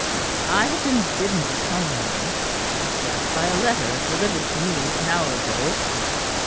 "I have been bidden to come here," he said, "by a letter delivered to me an hour ago."